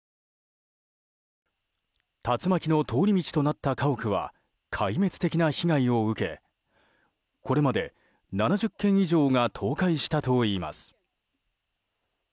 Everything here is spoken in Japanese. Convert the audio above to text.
竜巻の通り道となった家屋は壊滅的な被害を受けこれまで、７０軒以上が倒壊したといいます。